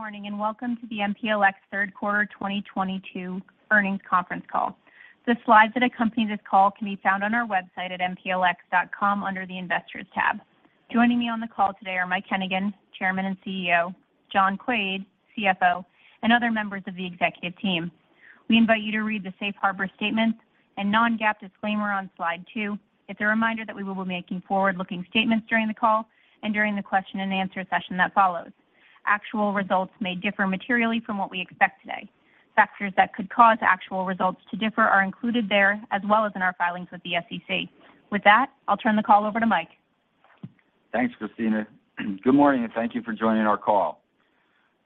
Good morning, and welcome to the MPLX third quarter 2022 earnings conference call. The slides that accompany this call can be found on our website at mplx.com under the Investors tab. Joining me on the call today are Mike Hennigan, Chairman and CEO, John Quaid, CFO, and other members of the executive team. We invite you to read the safe harbor statement and non-GAAP disclaimer on slide 2. It's a reminder that we will be making forward-looking statements during the call and during the question-and-answer session that follows. Actual results may differ materially from what we expect today. Factors that could cause actual results to differ are included there, as well as in our filings with the SEC. With that, I'll turn the call over to Mike. Thanks, Kristina. Good morning, and thank you for joining our call.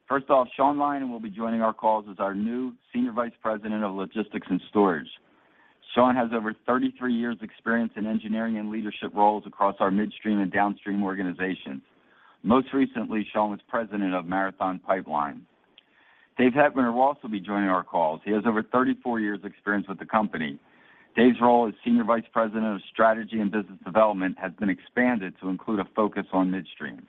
First off, Shawn Lyon will be joining our calls as our new Senior Vice President of Logistics and Storage. Shawn has over 33 years experience in engineering and leadership roles across our midstream and downstream organizations. Most recently, Shawn was President of Marathon Pipe Line. Dave Hettinger will also be joining our calls. He has over 34 years experience with the company. Dave's role as Senior Vice President of Strategy and Business Development has been expanded to include a focus on midstream.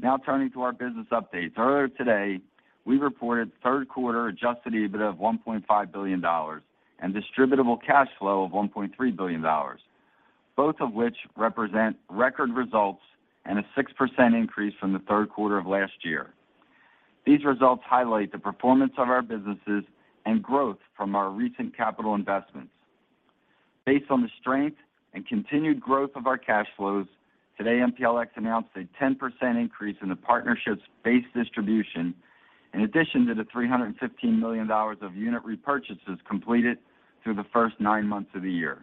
Now turning to our business updates. Earlier today, we reported third quarter adjusted EBITDA of $1.5 billion and distributable cash flow of $1.3 billion, both of which represent record results and a 6% increase from the third quarter of last year. These results highlight the performance of our businesses and growth from our recent capital investments. Based on the strength and continued growth of our cash flows, today, MPLX announced a 10% increase in the partnership's base distribution in addition to the $315 million of unit repurchases completed through the first nine months of the year.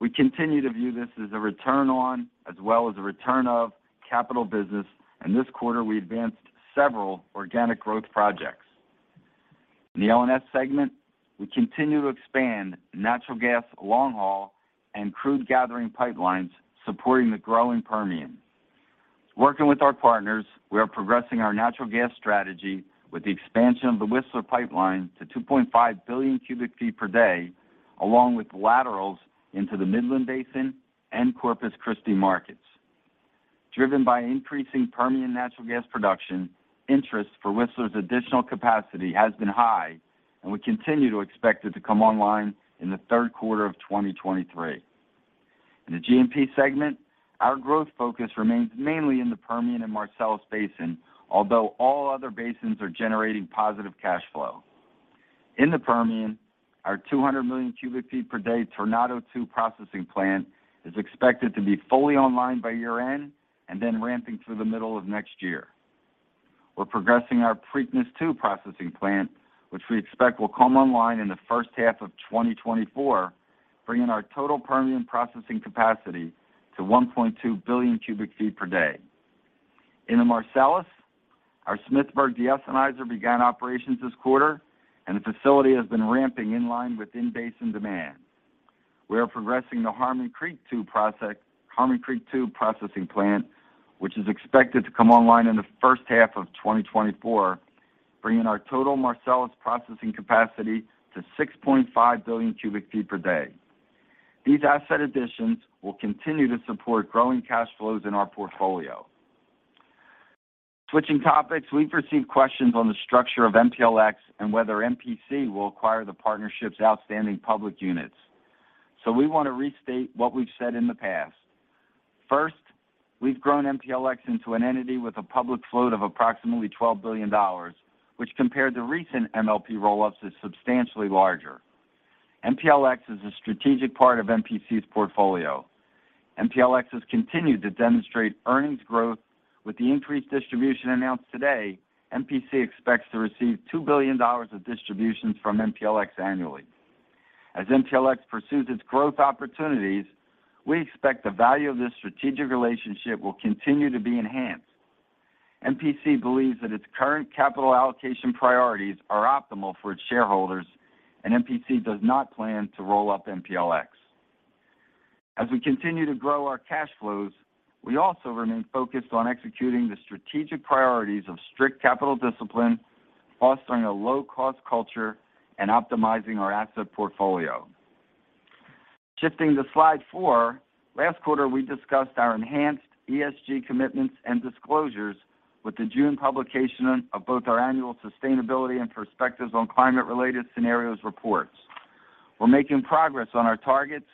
We continue to view this as a return on as well as a return of capital business, and this quarter, we advanced several organic growth projects. In the L&S segment, we continue to expand natural gas long haul and crude gathering pipelines supporting the growing Permian. Working with our partners, we are progressing our natural gas strategy with the expansion of the Whistler Pipeline to 2.5 billion cubic feet per day, along with laterals into the Midland Basin and Corpus Christi markets. Driven by increasing Permian natural gas production, interest for Whistler's additional capacity has been high, and we continue to expect it to come online in the third quarter of 2023. In the G&P segment, our growth focus remains mainly in the Permian and Marcellus Basin, although all other basins are generating positive cash flow. In the Permian, our 200 million cubic feet per day Tornado II processing plant is expected to be fully online by year-end, and then ramping through the middle of next year. We're progressing our Preakness II processing plant, which we expect will come online in the first half of 2024, bringing our total Permian processing capacity to 1.2 billion cubic feet per day. In the Marcellus, our Smithburg de-ethanizer began operations this quarter, and the facility has been ramping in line with in-basin demand. We are progressing the Harmon Creek II processing plant, which is expected to come online in the first half of 2024, bringing our total Marcellus processing capacity to 6.5 billion cubic feet per day. These asset additions will continue to support growing cash flows in our portfolio. Switching topics, we've received questions on the structure of MPLX and whether MPC will acquire the partnership's outstanding public units. We want to restate what we've said in the past. First, we've grown MPLX into an entity with a public float of approximately $12 billion, which compared to recent MLP roll-ups, is substantially larger. MPLX is a strategic part of MPC's portfolio. MPLX has continued to demonstrate earnings growth. With the increased distribution announced today, MPC expects to receive $2 billion of distributions from MPLX annually. As MPLX pursues its growth opportunities, we expect the value of this strategic relationship will continue to be enhanced. MPC believes that its current capital allocation priorities are optimal for its shareholders, and MPC does not plan to roll up MPLX. As we continue to grow our cash flows, we also remain focused on executing the strategic priorities of strict capital discipline, fostering a low cost culture, and optimizing our asset portfolio. Shifting to slide four, last quarter, we discussed our enhanced ESG commitments and disclosures with the June publication of both our annual sustainability and perspectives on climate-related scenarios reports. We're making progress on our targets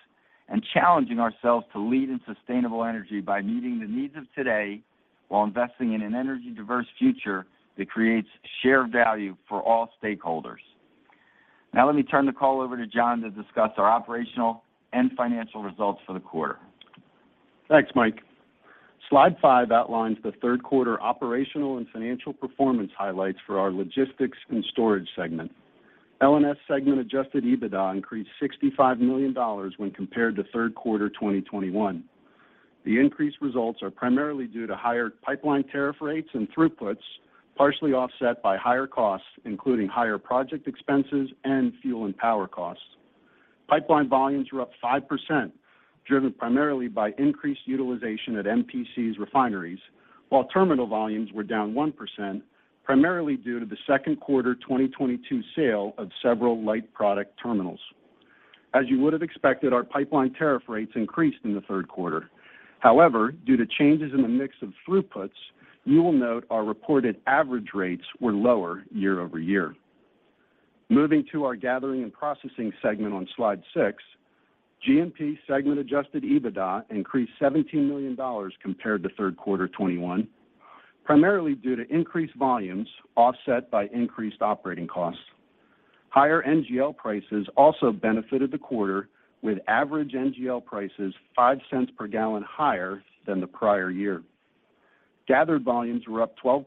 and challenging ourselves to lead in sustainable energy by meeting the needs of today while investing in an energy diverse future that creates shared value for all stakeholders. Now let me turn the call over to John to discuss our operational and financial results for the quarter. Thanks, Mike. Slide 5 outlines the third quarter operational and financial performance highlights for our logistics and storage segment. L&S segment adjusted EBITDA increased $65 million when compared to third quarter 2021. The increased results are primarily due to higher pipeline tariff rates and throughputs, partially offset by higher costs, including higher project expenses and fuel and power costs. Pipeline volumes were up 5%, driven primarily by increased utilization at MPC's refineries. While terminal volumes were down 1%, primarily due to the second quarter 2022 sale of several light product terminals. As you would have expected, our pipeline tariff rates increased in the third quarter. However, due to changes in the mix of throughputs, you will note our reported average rates were lower year-over-year. Moving to our G&P segment on slide 6. G&P segment adjusted EBITDA increased $17 million compared to third quarter 2021, primarily due to increased volumes offset by increased operating costs. Higher NGL prices also benefited the quarter, with average NGL prices $0.05 per gallon higher than the prior year. Gathered volumes were up 12%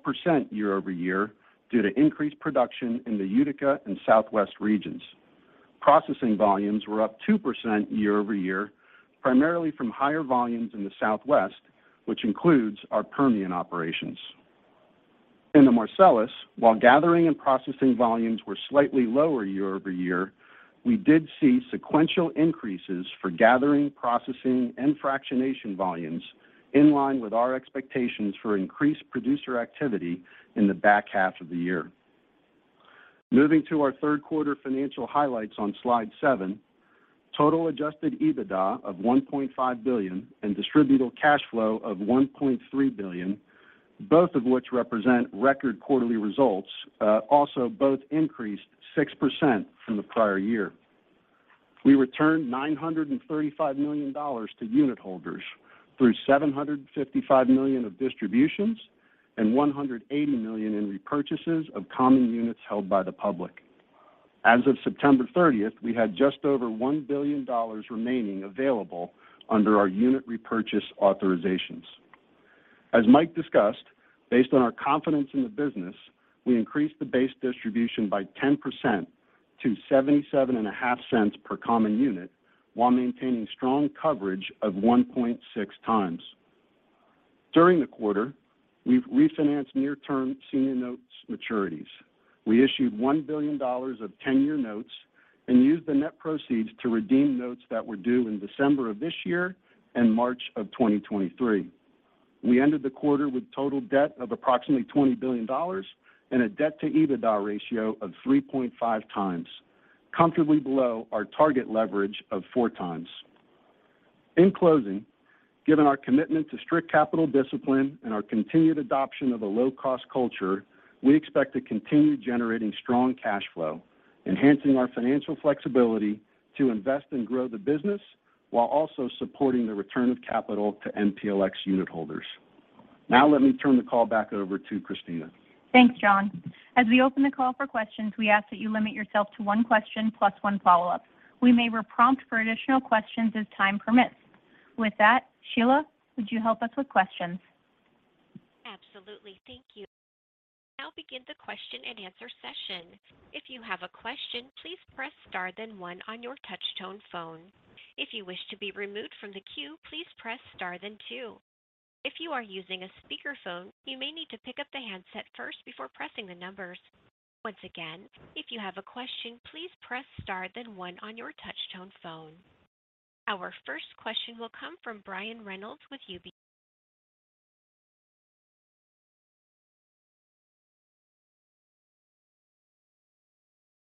year-over-year due to increased production in the Utica and Southwest regions. Processing volumes were up 2% year-over-year, primarily from higher volumes in the Southwest, which includes our Permian operations. In the Marcellus, while gathering and processing volumes were slightly lower year-over-year, we did see sequential increases for gathering, processing, and fractionation volumes in line with our expectations for increased producer activity in the back half of the year. Moving to our third quarter financial highlights on slide 7. Total adjusted EBITDA of $1.5 billion and distributable cash flow of $1.3 billion, both of which represent record quarterly results, also both increased 6% from the prior year. We returned $935 million to unit holders through $755 million of distributions and $180 million in repurchases of common units held by the public. As of September 30th, we had just over $1 billion remaining available under our unit repurchase authorizations. As Mike discussed, based on our confidence in the business, we increased the base distribution by 10% to $ 0.775 per common unit, while maintaining strong coverage of 1.6x. During the quarter, we've refinanced near-term senior notes maturities. We issued $1 billion of 10-year notes and used the net proceeds to redeem notes that were due in December of this year and March of 2023. We ended the quarter with total debt of approximately $20 billion and a debt-to-EBITDA ratio of 3.5x, comfortably below our target leverage of 4x. In closing, given our commitment to strict capital discipline and our continued adoption of a low-cost culture, we expect to continue generating strong cash flow, enhancing our financial flexibility to invest and grow the business while also supporting the return of capital to MPLX unit holders. Now let me turn the call back over to Kristina. Thanks, John. As we open the call for questions, we ask that you limit yourself to one question plus one follow-up. We may re-prompt for additional questions as time permits. With that, Sheila, would you help us with questions? Absolutely. Thank you. Now begin the question-and-answer session. If you have a question, please press star then one on your touch tone phone. If you wish to be removed from the queue, please press star then two. If you are using a speaker phone, you may need to pick up the handset first before pressing the numbers. Once again, if you have a question, please press star then one on your touch tone phone. Our first question will come from Brian Reynolds with UBS.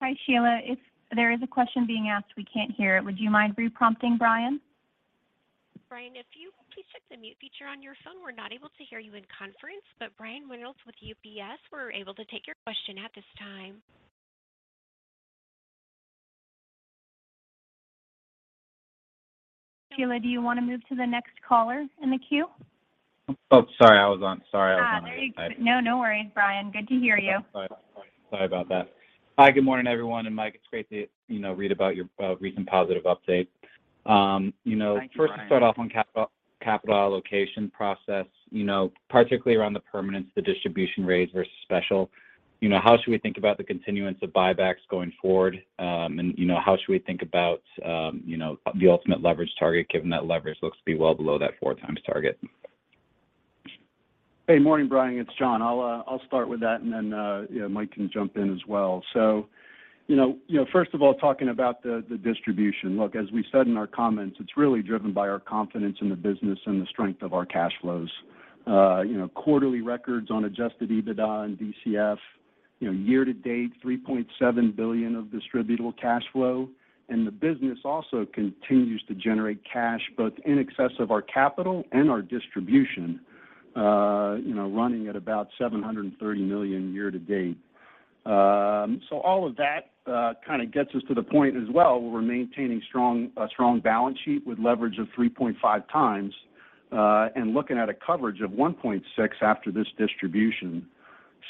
Hi, Sheila. If there is a question being asked, we can't hear it. Would you mind re-prompting Brian? Brian, if you please check the mute feature on your phone. We're not able to hear you in conference, but Brian Reynolds with UBS, we're able to take your question at this time. Sheila, do you want to move to the next caller in the queue? Sorry, I was on mute. No, no worries, Brian. Good to hear you. Sorry about that. Hi, good morning, everyone. Mike, it's great to, you know, read about your recent positive update. Thank you, Brian. First to start off on capital allocation process, you know, particularly around the permanence of the distribution rates versus special. You know, how should we think about the continuance of buybacks going forward? You know, how should we think about, you know, the ultimate leverage target given that leverage looks to be well below that 4x target? Hey, morning, Brian. It's John. I'll start with that and then, yeah, Mike can jump in as well. You know, first of all, talking about the distribution. Look, as we said in our comments, it's really driven by our confidence in the business and the strength of our cash flows. You know, quarterly records on adjusted EBITDA and DCF, you know, year-to-date, $3.7 billion of distributable cash flow. The business also continues to generate cash both in excess of our capital and our distribution, you know, running at about $730 million year-to-date. All of that kind of gets us to the point as well where we're maintaining a strong balance sheet with leverage of 3.5x, and looking at a coverage of 1.6x after this distribution.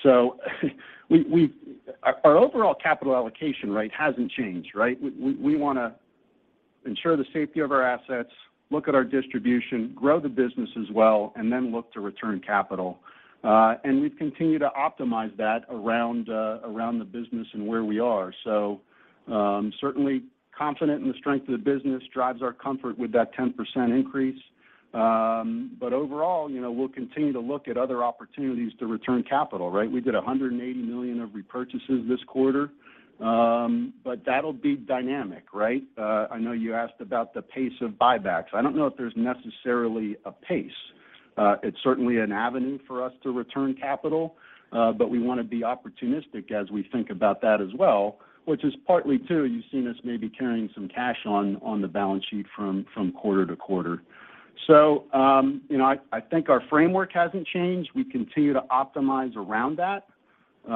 Our overall capital allocation rate hasn't changed, right? We want to ensure the safety of our assets, look at our distribution, grow the business as well, and then look to return capital. And we've continued to optimize that around the business and where we are. Certainly confident in the strength of the business drives our comfort with that 10% increase. But overall, you know, we'll continue to look at other opportunities to return capital, right? We did $180 million of repurchases this quarter, but that'll be dynamic, right? I know you asked about the pace of buybacks. I don't know if there's necessarily a pace. It's certainly an avenue for us to return capital, but we want to be opportunistic as we think about that as well, which is partly too. You've seen us maybe carrying some cash on the balance sheet from quarter to quarter. You know, I think our framework hasn't changed. We continue to optimize around that. You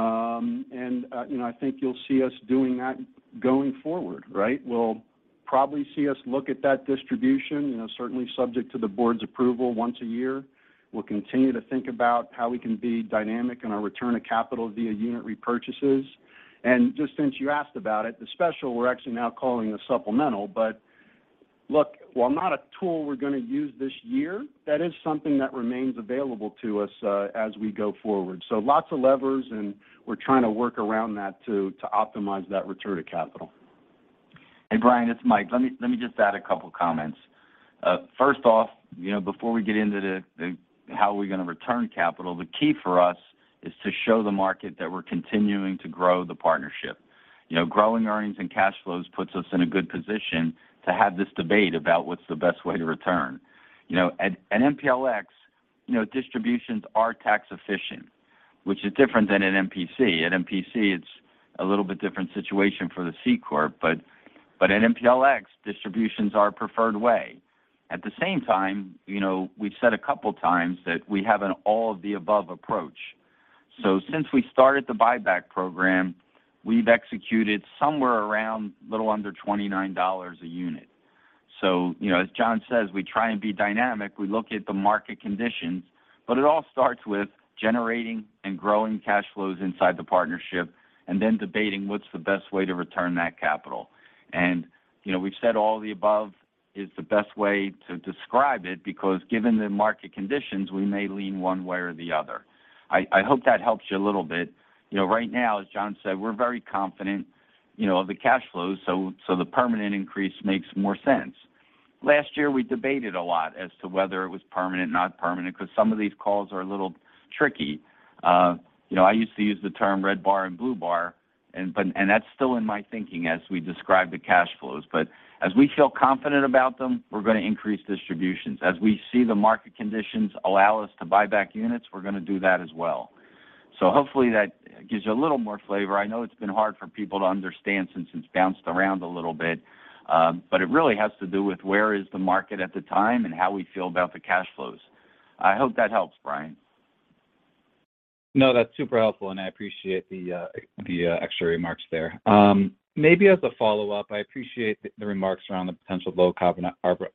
know, I think you'll see us doing that going forward, right? We'll probably see us look at that distribution, you know, certainly subject to the board's approval once a year. We'll continue to think about how we can be dynamic in our return of capital via unit repurchases. Just since you asked about it, the special we're actually now calling the supplemental, but look, while not a tool we're going to use this year, that is something that remains available to us, as we go forward. Lots of levers, and we're trying to work around that to optimize that return to capital. Hey, Brian, it's Mike. Let me just add a couple comments. First off, you know, before we get into the how are we going to return capital, the key for us is to show the market that we're continuing to grow the partnership. You know, growing earnings and cash flows puts us in a good position to have this debate about what's the best way to return. You know, at MPLX, you know, distributions are tax efficient, which is different than at MPC. At MPC, it's a little bit different situation for the C Corp, but at MPLX, distributions are a preferred way. At the same time, you know, we've said a couple times that we have an all of the above approach. Since we started the buyback program, we've executed somewhere around a little under $29 a unit. You know, as John says, we try and be dynamic. We look at the market conditions, but it all starts with generating and growing cash flows inside the partnership and then debating what's the best way to return that capital. You know, we've said all of the above is the best way to describe it because given the market conditions, we may lean one way or the other. I hope that helps you a little bit. You know, right now, as John said, we're very confident, you know, of the cash flows, so the permanent increase makes more sense. Last year, we debated a lot as to whether it was permanent, not permanent, because some of these calls are a little tricky. You know, I used to use the term red bar and blue bar, but that's still in my thinking as we describe the cash flows. As we feel confident about them, we're going to increase distributions. As we see the market conditions allow us to buy back units, we're going to do that as well. Hopefully that gives you a little more flavor. I know it's been hard for people to understand since it's bounced around a little bit, but it really has to do with where is the market at the time and how we feel about the cash flows. I hope that helps, Brian. No, that's super helpful, and I appreciate the extra remarks there. Maybe as a follow-up, I appreciate the remarks around the potential low carbon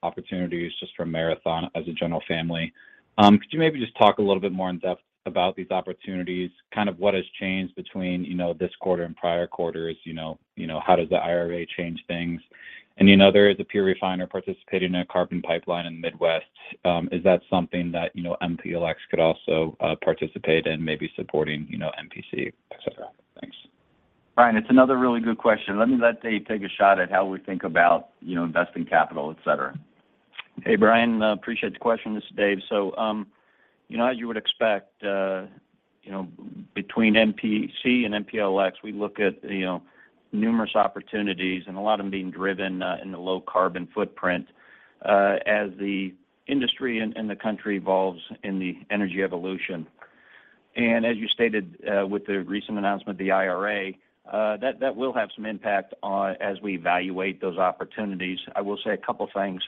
opportunities just from Marathon as a general family. Could you maybe just talk a little bit more in depth about these opportunities, kind of what has changed between this quarter and prior quarters? You know, how does the IRA change things? You know, there is a pure refiner participating in a carbon pipeline in the Midwest. Is that something that MPLX could also participate in, maybe supporting MPC, etc.? Thanks. Brian, it's another really good question. Let me let Dave take a shot at how we think about, you know, investing capital, etc. Hey, Brian, appreciate the question. This is Dave. You know, as you would expect, you know, between MPC and MPLX, we look at, you know, numerous opportunities and a lot of them being driven in the low carbon footprint as the industry and the country evolves in the energy evolution. As you stated, with the recent announcement of the IRA, that will have some impact on as we evaluate those opportunities. I will say a couple things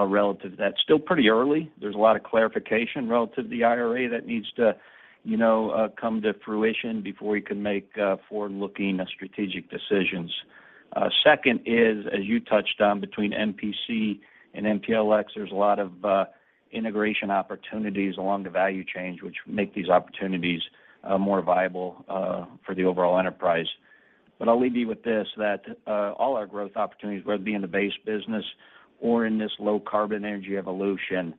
relative to that. Still pretty early. There's a lot of clarification relative to the IRA that needs to, you know, come to fruition before we can make forward-looking strategic decisions. Second is, as you touched on between MPC and MPLX, there's a lot of integration opportunities along the value chain, which make these opportunities more viable for the overall enterprise. I'll leave you with this, that all our growth opportunities, whether it be in the base business or in this low carbon energy evolution,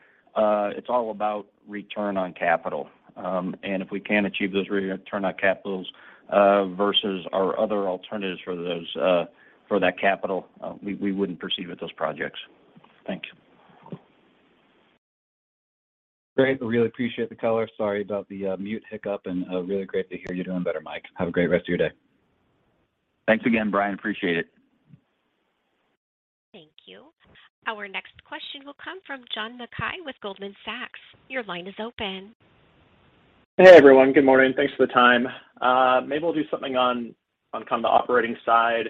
it's all about return on capital. If we can't achieve those return on capital versus our other alternatives for that capital, we wouldn't proceed with those projects. Thank you. Great. Really appreciate the color. Sorry about the mute hiccup and really great to hear you're doing better, Mike. Have a great rest of your day. Thanks again, Brian. Appreciate it. Thank you. Our next question will come from John Mackay with Goldman Sachs. Your line is open. Hey, everyone. Good morning. Thanks for the time. Maybe we'll do something on kind of the operating side.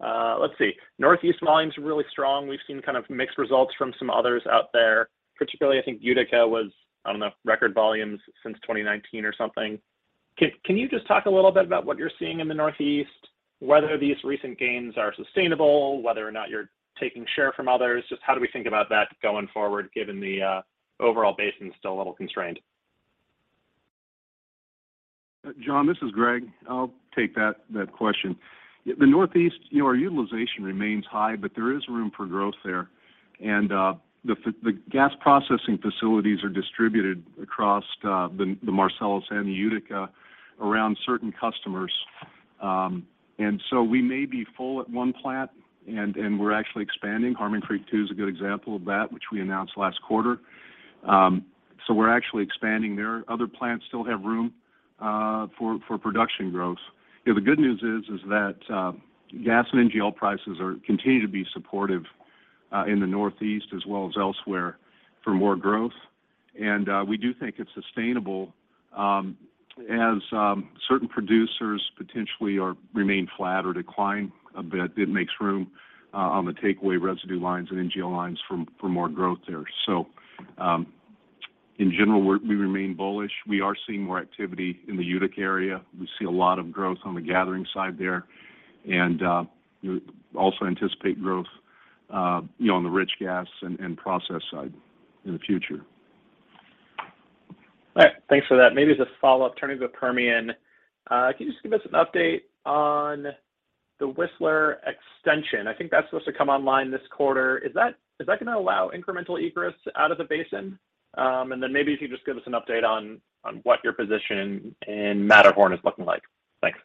Let's see. Northeast volumes are really strong. We've seen kind of mixed results from some others out there. Particularly I think Utica was, I don't know, record volumes since 2019 or something. Can you just talk a little bit about what you're seeing in the Northeast, whether these recent gains are sustainable, whether or not you're taking share from others? Just how do we think about that going forward given the overall basin's still a little constrained? John, this is Greg. I'll take that question. The Northeast, you know, our utilization remains high, but there is room for growth there. The gas processing facilities are distributed across the Marcellus and the Utica around certain customers. We may be full at one plant and we're actually expanding. Harmon Creek II is a good example of that, which we announced last quarter. We're actually expanding there. Other plants still have room for production growth. You know, the good news is that gas and NGL prices continue to be supportive in the Northeast as well as elsewhere for more growth. We do think it's sustainable as certain producers potentially remain flat or decline a bit, it makes room on the takeaway residue lines and NGL lines for more growth there. In general, we remain bullish. We are seeing more activity in the Utica area. We see a lot of growth on the gathering side there and, you know, also anticipate growth, you know, on the rich gas and process side in the future. All right. Thanks for that. Maybe as a follow-up, turning to the Permian. Can you just give us an update on the Whistler extension? I think that's supposed to come online this quarter. Is that going to allow incremental egress out of the basin? And then maybe if you could just give us an update on what your position in Matterhorn is looking like. Thanks.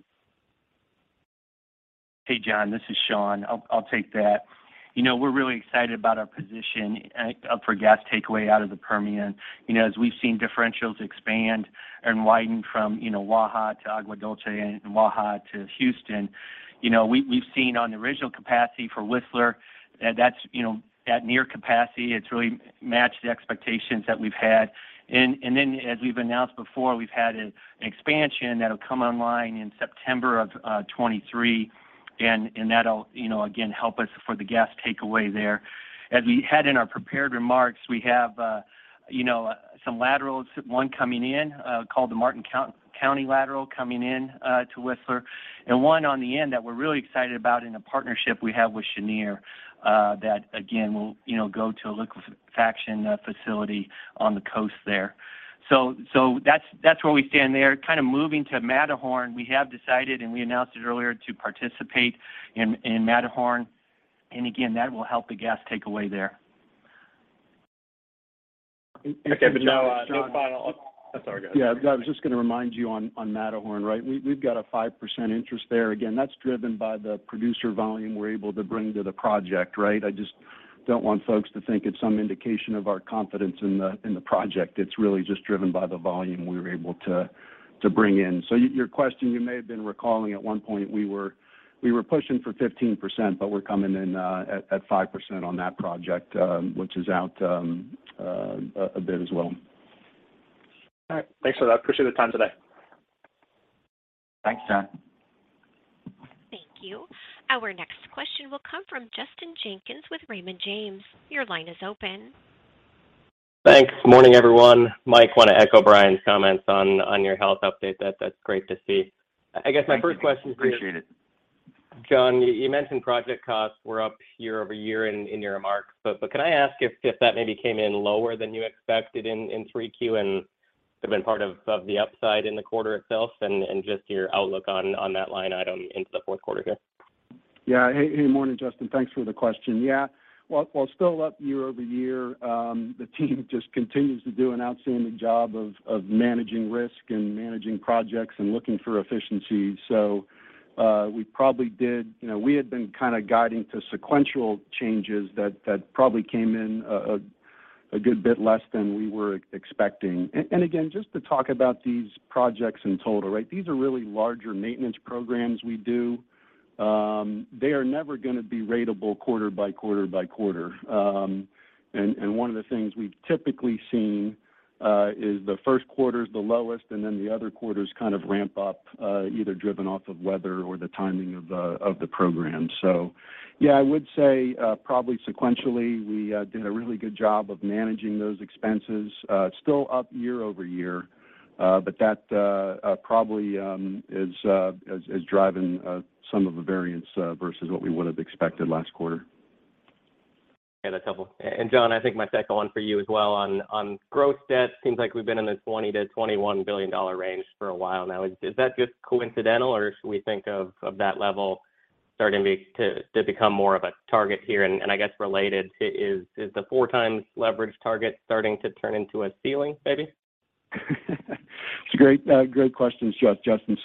Hey, John, this is Shawn. I'll take that. You know, we're really excited about our position for gas takeaway out of the Permian. You know, as we've seen differentials expand and widen from Waha to Agua Dulce and Waha to Houston. You know, we've seen on the original capacity for Whistler that's at near capacity. It's really matched the expectations that we've had. Then as we've announced before, we've had an expansion that'll come online in September of 2023. That'll again help us for the gas takeaway there. As we had in our prepared remarks, we have some laterals, one coming in called the Martin County Lateral coming in to Whistler. One on the end that we're really excited about in a partnership we have with Cheniere, that again, will, you know, go to a liquefaction facility on the coast there. So that's where we stand there. Kind of moving to Matterhorn. We have decided, and we announced it earlier, to participate in Matterhorn. Again, that will help the gas takeaway there. Sorry, go ahead. Yeah, I was just going to remind you on Matterhorn, right? We've got a 5% interest there. Again, that's driven by the producer volume we're able to bring to the project, right? I just don't want folks to think it's some indication of our confidence in the project. It's really just driven by the volume we were able to bring in. Your question, you may have been recalling at one point we were pushing for 15%, but we're coming in at 5% on that project, which is out a bit as well. All right. Thanks for that. Appreciate the time today. Thanks, John. Thank you. Our next question will come from Justin Jenkins with Raymond James. Your line is open. Thanks. Morning, everyone. Mike, want to echo Brian's comments on your health update. That's great to see. Thank you. Appreciate it. I guess my first question is John, you mentioned project costs were up year-over-year in your remarks. Can I ask if that maybe came in lower than you expected in 3Q and have been part of the upside in the quarter itself? Just your outlook on that line item into the fourth quarter here. Yeah. Hey, morning, Justin. Thanks for the question. Yeah. While still up year-over-year, the team just continues to do an outstanding job of managing risk and managing projects and looking for efficiencies. We probably did. You know, we had been kind of guiding to sequential changes that probably came in a good bit less than we were expecting. And again, just to talk about these projects in total, right? These are really larger maintenance programs we do. They are never going to be ratable quarter by quarter by quarter. And one of the things we've typically seen is the first quarter's the lowest, and then the other quarters kind of ramp up, either driven by weather or the timing of the program. Yeah, I would say, probably sequentially, we did a really good job of managing those expenses. It's still up year over year, but that probably is driving some of the variance versus what we would have expected last quarter. Yeah, that's helpful. John, I think my second one for you as well on growth debt. Seems like we've been in the $20 billion-$21 billion range for a while now. Is that just coincidental, or should we think of that level starting to become more of a target here? I guess related, is the 4x leverage target starting to turn into a ceiling maybe? It's a great question, Justin.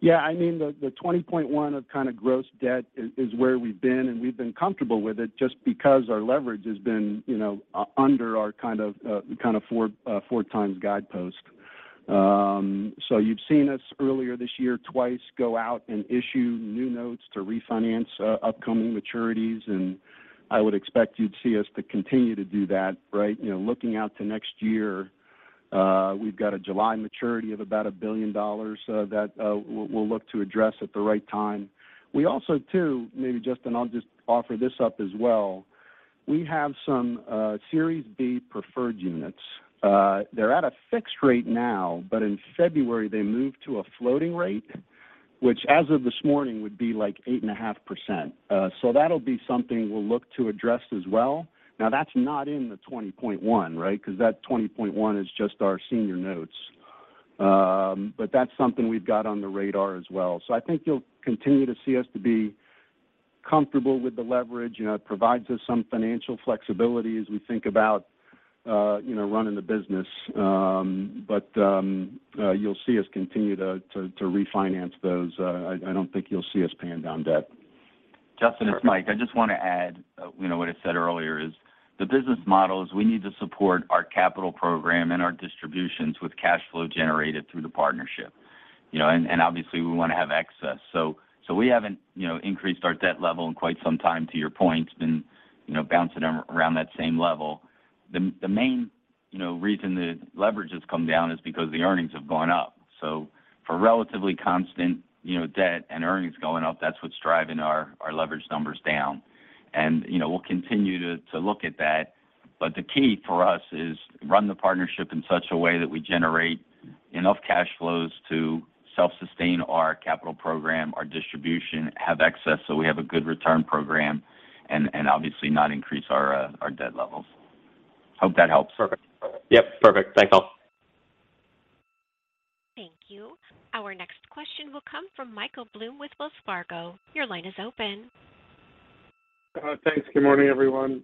Yeah, I mean, the $20.1 billion gross debt is where we've been, and we've been comfortable with it just because our leverage has been, you know, under our kind of 4 times guidepost. You've seen us earlier this year twice go out and issue new notes to refinance upcoming maturities, and I would expect you to see us to continue to do that, right? You know, looking out to next year, we've got a July maturity of about $1 billion that we'll look to address at the right time. We also, too, maybe Justin, I'll just offer this up as well. We have some Series B preferred units. They're at a fixed rate now, but in February, they move to a floating rate, which as of this morning would be like 8.5%. That'll be something we'll look to address as well. Now, that's not in the $20.1, right? because that $20.1 is just our senior notes. That's something we've got on the radar as well. I think you'll continue to see us to be comfortable with the leverage. You know, it provides us some financial flexibility as we think about, you know, running the business. You'll see us continue to refinance those. I don't think you'll see us paying down debt. Justin, it's Mike. I just want to add, you know, what I said earlier is the business model is we need to support our capital program and our distributions with cash flow generated through the partnership. You know, and obviously we want to have access. So we haven't, you know, increased our debt level in quite some time, to your point. It's been, you know, bouncing around that same level. The main, you know, reason the leverage has come down is because the earnings have gone up. So for relatively constant, you know, debt and earnings going up, that's what's driving our leverage numbers down. You know, we'll continue to look at that. The key for us is run the partnership in such a way that we generate enough cash flows to self-sustain our capital program, our distribution, have excess, so we have a good return program and obviously not increase our debt levels. Hope that helps. Perfect. Yep, perfect. Thanks all. Thank you. Our next question will come from Michael Blum with Wells Fargo. Your line is open. Thanks. Good morning, everyone.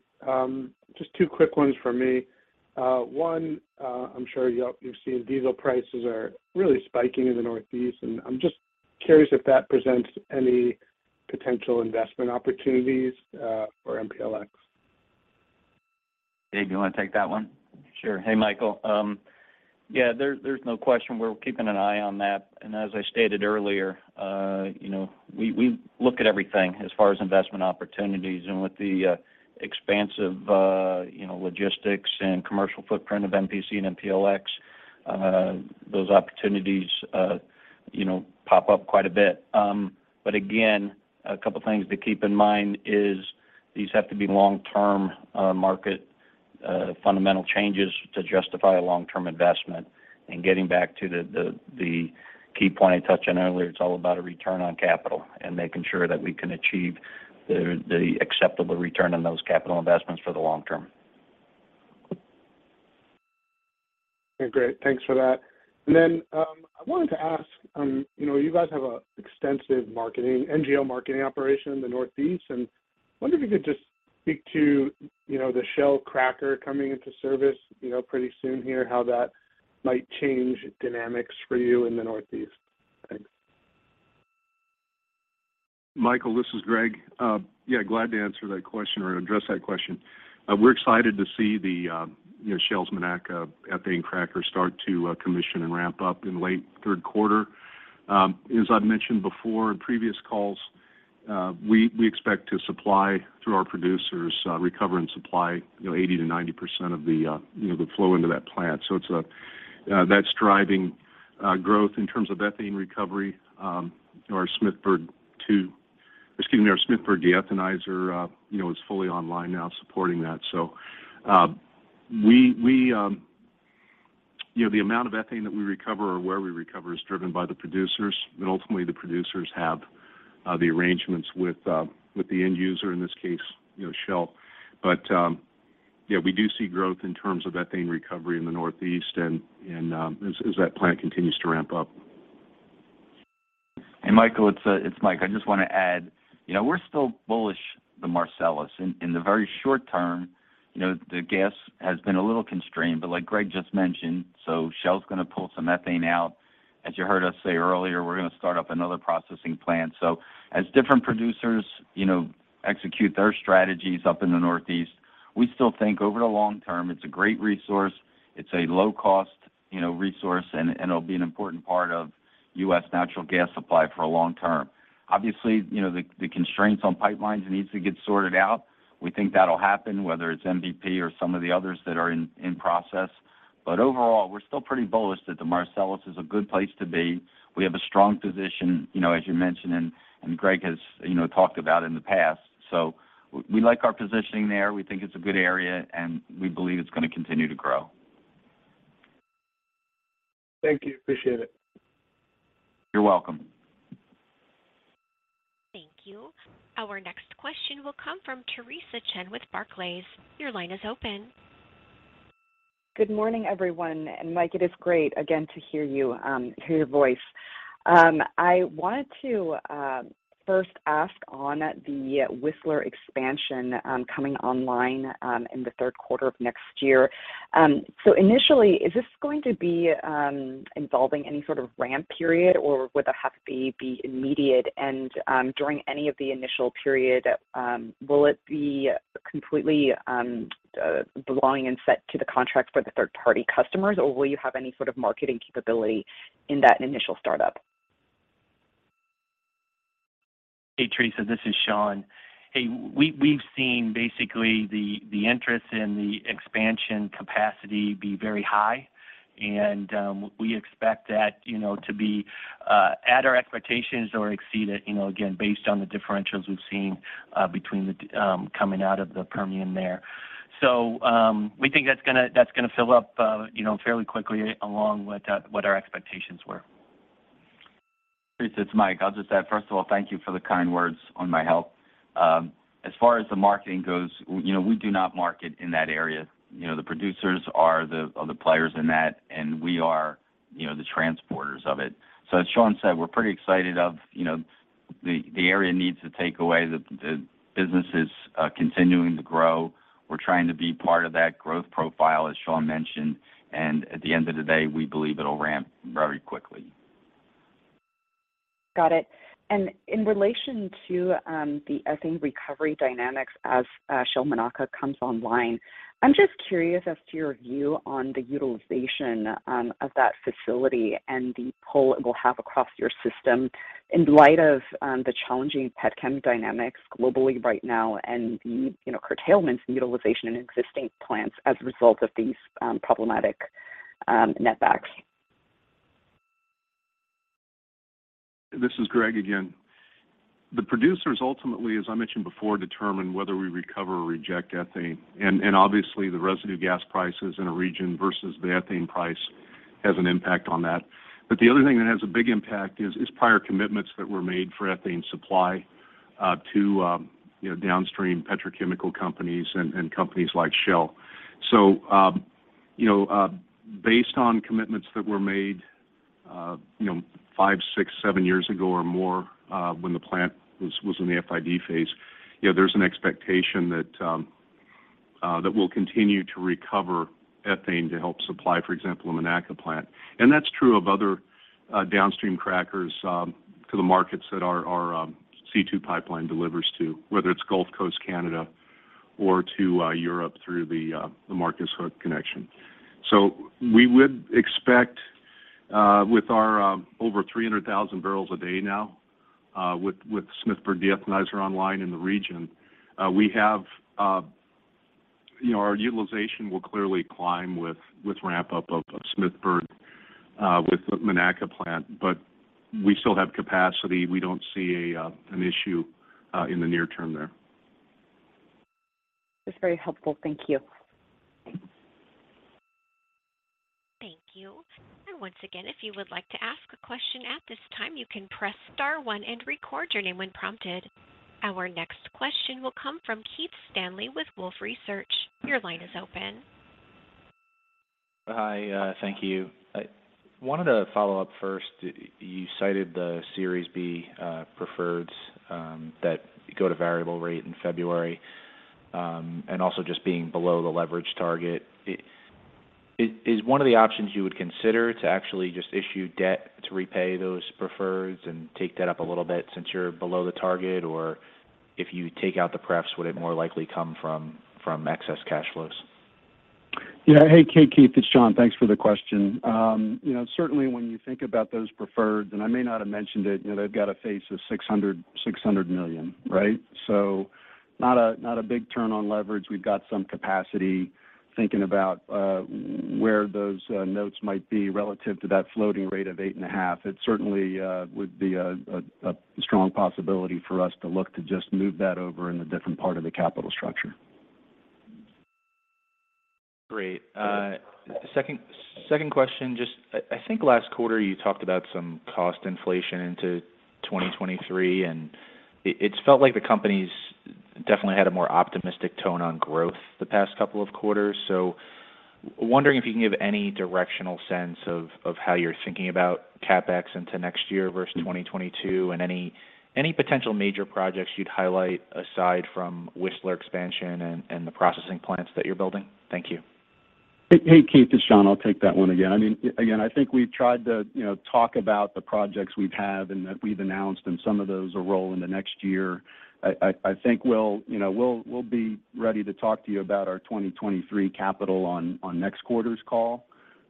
Just two quick ones from me. One, I'm sure you've seen diesel prices are really spiking in the Northeast, and I'm just curious if that presents any potential investment opportunities for MPLX. Dave, do you want to take that one? Sure. Hey, Michael. There's no question we're keeping an eye on that. As I stated earlier, you know, we look at everything as far as investment opportunities. With the expansive logistics and commercial footprint of MPC and MPLX, those opportunities pop up quite a bit. Again, a couple things to keep in mind is these have to be long-term market fundamental changes to justify a long-term investment. Getting back to the key point I touched on earlier, it's all about a return on capital and making sure that we can achieve the acceptable return on those capital investments for the long-term. Okay, great. Thanks for that. I wanted to ask, you know, you guys have an extensive marketing, NGL marketing operation in the Northeast, and wonder if you could just speak to, you know, the Shell cracker coming into service, you know, pretty soon here, how that might change dynamics for you in the Northeast. Thanks. Michael, this is Greg. Glad to answer that question or address that question. We're excited to see the, you know, Shell's Monaca ethane cracker start to commission and ramp up in late third quarter. As I've mentioned before in previous calls, we expect to supply through our producers, recover and supply, you know, 80%-90% of the, you know, the flow into that plant. That's driving growth in terms of ethane recovery. Our Smithburg de-ethanizer is fully online now supporting that. We, you know, the amount of ethane that we recover or where we recover is driven by the producers, but ultimately the producers have the arrangements with the end user, in this case, you know, Shell. Yeah, we do see growth in terms of ethane recovery in the Northeast and as that plant continues to ramp up. Michael, it's Mike. I just want to add, you know, we're still bullish the Marcellus. In the very short-term, you know, the gas has been a little constrained, but like Greg just mentioned, so Shell's going to pull some ethane out. As you heard us say earlier, we're going to start up another processing plant. As different producers, you know, execute their strategies up in the Northeast, we still think over the long-term it's a great resource, it's a low cost, you know, resource and it'll be an important part of U.S. natural gas supply for a long-term. Obviously, you know, the constraints on pipelines needs to get sorted out. We think that'll happen whether it's MVP or some of the others that are in process. Overall, we're still pretty bullish that the Marcellus is a good place to be. We have a strong position, you know, as you mentioned and Greg has, you know, talked about in the past. We like our positioning there. We think it's a good area, and we believe it's going to continue to grow. Thank you. Appreciate it. You're welcome. Thank you. Our next question will come from Theresa Chen with Barclays. Your line is open. Good morning, everyone. Mike, it is great again to hear your voice. I wanted to first ask on the Whistler expansion coming online in the third quarter of next year. Initially, is this going to be involving any sort of ramp period, or would it have to be immediate? During any of the initial period, will it be completely belonging and set to the contract for the third-party customers, or will you have any sort of marketing capability in that initial start-up? Hey, Theresa, this is Shawn. Hey, we've seen basically the interest in the expansion capacity be very high, and we expect that, you know, to be at our expectations or exceed it, you know, again, based on the differentials we've seen between coming out of the Permian there. So, we think that's going to fill up, you know, fairly quickly along what our expectations were. Theresa, it's Mike. I'll just add, first of all, thank you for the kind words on my health. As far as the marketing goes, you know, we do not market in that area. You know, the producers are the players in that, and we are, you know, the transporters of it. As Shawn said, we're pretty excited about, you know, the area needs takeaway. The business is continuing to grow. We're trying to be part of that growth profile, as Shawn mentioned, and at the end of the day, we believe it'll ramp very quickly. Got it. In relation to the ethane recovery dynamics as Shell Monaca comes online, I'm just curious as to your view on the utilization of that facility and the pull it will have across your system in light of the challenging petchem dynamics globally right now and the, you know, curtailments in utilization in existing plants as a result of these problematic netbacks. This is Greg again. The producers ultimately, as I mentioned before, determine whether we recover or reject ethane. Obviously the residue gas prices in a region versus the ethane price has an impact on that. The other thing that has a big impact is prior commitments that were made for ethane supply to you know downstream petrochemical companies and companies like Shell. You know based on commitments that were made you know five, six, seven years ago or more when the plant was in the FID phase, you know, there's an expectation that we'll continue to recover ethane to help supply, for example, a Monaca plant. That's true of other downstream crackers for the markets that our C2 pipeline delivers to, whether it's Gulf Coast Canada or to Europe through the Marcus Hook connection. We would expect with our over 300,000 barrels a day now with Smithburg de-ethanizer online in the region we have you know our utilization will clearly climb with ramp-up of Smithburg with the Monaca plant. We still have capacity. We don't see an issue in the near-term there. That's very helpful. Thank you. Thank you. Once again, if you would like to ask a question at this time, you can press star-one and record your name when prompted. Our next question will come from Keith Stanley with Wolfe Research. Your line is open. Hi. Thank you. I wanted to follow up first. You cited the Series B preferreds that go to variable rate in February and also just being below the leverage target. Is one of the options you would consider to actually just issue debt to repay those preferreds and take that up a little bit since you're below the target? If you take out the prefs, would it more likely come from excess cash flows? Yeah. Hey, Keith, it's John. Thanks for the question. You know, certainly when you think about those preferreds, and I may not have mentioned it, you know, they've got a face of $600 million, right? So not a big turn on leverage. We've got some capacity thinking about where those notes might be relative to that floating rate of 8.5%. It certainly would be a strong possibility for us to look to just move that over in a different part of the capital structure. Great. Second question, just I think last quarter you talked about some cost inflation into 2023, and it's felt like the company's definitely had a more optimistic tone on growth the past couple of quarters. Wondering if you can give any directional sense of how you're thinking about CapEx into next year versus 2022 and any potential major projects you'd highlight aside from Whistler expansion and the processing plants that you're building. Thank you. Hey, Keith, it's John. I'll take that one again. I mean, again, I think we've tried to, you know, talk about the projects we have and that we've announced, and some of those roll into next year. I think we'll, you know, be ready to talk to you about our 2023 capital on next quarter's call.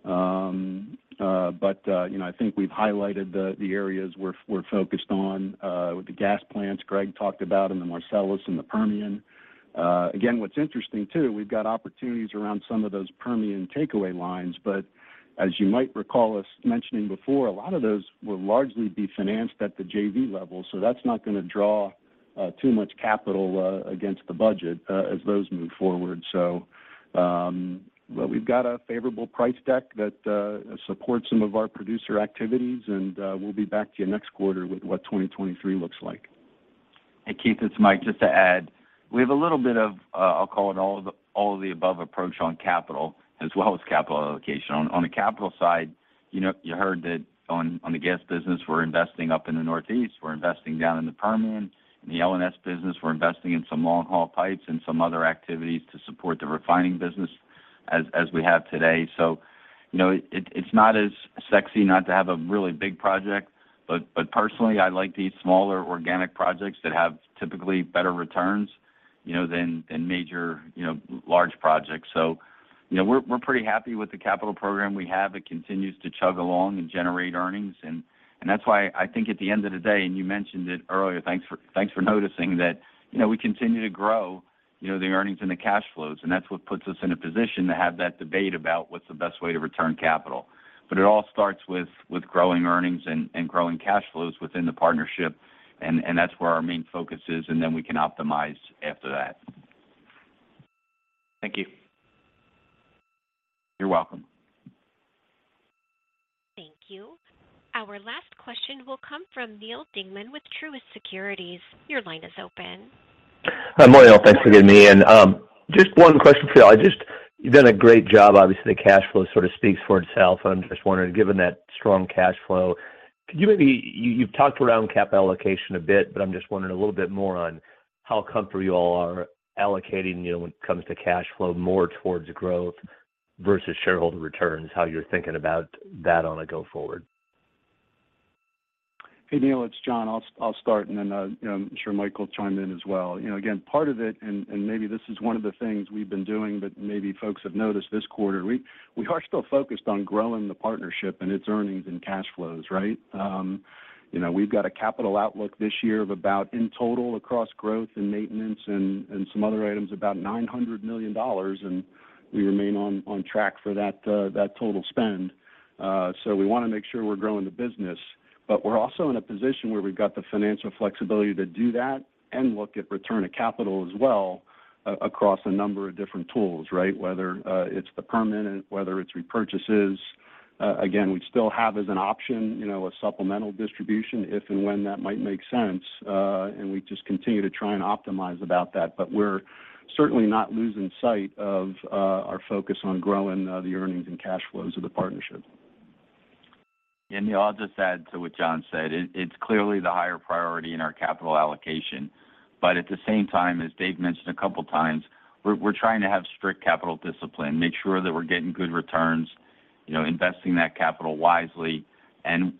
You know, I think we've highlighted the areas we're focused on with the gas plants Greg talked about in the Marcellus and the Permian. Again, what's interesting too, we've got opportunities around some of those Permian takeaway lines. As you might recall us mentioning before, a lot of those will largely be financed at the JV level, so that's not going to draw too much capital against the budget as those move forward. We've got a favorable price deck that supports some of our producer activities, and we'll be back to you next quarter with what 2023 looks like. Hey, Keith, it's Mike. Just to add, we have a little bit of, I'll call it all of the, all-of-the-above approach on capital as well as capital allocation. On the capital side, you know, you heard that on the gas business, we're investing up in the Northeast. We're investing down in the Permian. In the L&S business, we're investing in some long-haul pipes and some other activities to support the refining business as we have today. You know, it's not as sexy not to have a really big project, but personally I like these smaller organic projects that have typically better returns, you know, than major, you know, large projects. You know, we're pretty happy with the capital program we have. It continues to chug along and generate earnings. That's why I think at the end of the day, and you mentioned it earlier, thanks for noticing that, you know, we continue to grow, you know, the earnings and the cash flows. That's what puts us in a position to have that debate about what's the best way to return capital. It all starts with growing earnings and growing cash flows within the partnership and that's where our main focus is, and then we can optimize after that. Thank you. You're welcome. Thank you. Our last question will come from Neal Dingmann with Truist Securities. Your line is open. Hi, morning all. Thanks for giving me time. Just one question for y'all. You've done a great job. Obviously, the cash flow sort of speaks for itself. I'm just wondering, given that strong cash flow, you've talked about capital allocation a bit, but I'm just wondering a little bit more on how comfortable you all are allocating, you know, when it comes to cash flow more towards growth versus shareholder returns, how you're thinking about that going forward? Hey, Neal, it's John. I'll start and then, you know, I'm sure Mike Hennigan will chime in as well. You know, again, part of it, and maybe this is one of the things we've been doing that maybe folks have noticed this quarter, we are still focused on growing the partnership and its earnings and cash flows, right? You know, we've got a capital outlook this year of about, in total across growth and maintenance and some other items, about $900 million, and we remain on track for that total spend. So we want to make sure we're growing the business, but we're also in a position where we've got the financial flexibility to do that and look at return of capital as well across a number of different tools, right? Whether it's the permanent, whether it's repurchases. Again, we still have as an option, you know, a supplemental distribution, if and when that might make sense, and we just continue to try and optimize about that. But we're certainly not losing sight of our focus on growing the earnings and cash flows of the partnership. You know, I'll just add to what John said. It's clearly the higher priority in our capital allocation. At the same time, as Dave mentioned a couple times, we're trying to have strict capital discipline, make sure that we're getting good returns, you know, investing that capital wisely.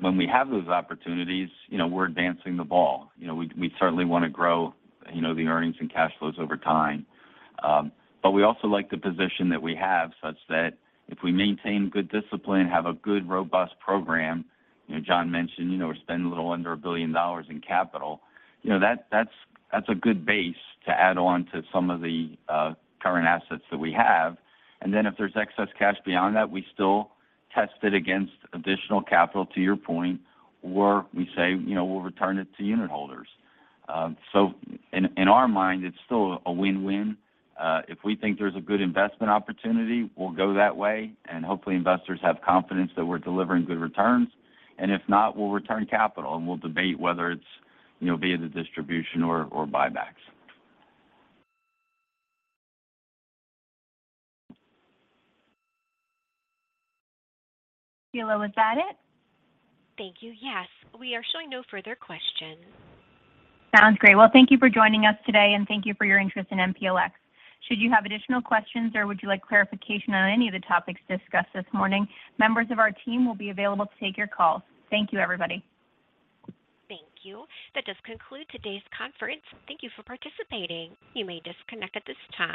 When we have those opportunities, you know, we're advancing the ball. You know, we certainly want to grow, you know, the earnings and cash flows over time. We also like the position that we have such that if we maintain good discipline, have a good, robust program, you know, John mentioned, you know, we're spending a little under $1 billion in capital, you know, that's a good base to add on to some of the current assets that we have. If there's excess cash beyond that, we still test it against additional capital to your point, or we say, you know, we'll return it to unitholders. In our mind, it's still a win-win. If we think there's a good investment opportunity, we'll go that way, and hopefully, investors have confidence that we're delivering good returns. If not, we'll return capital, and we'll debate whether it's, you know, via the distribution or buybacks. Sheila, was that it? Thank you. Yes. We are showing no further questions. Sounds great. Well, thank you for joining us today, and thank you for your interest in MPLX. Should you have additional questions or would you like clarification on any of the topics discussed this morning, members of our team will be available to take your calls. Thank you, everybody. Thank you. That does conclude today's conference. Thank you for participating. You may disconnect at this time.